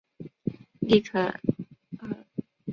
丽肯可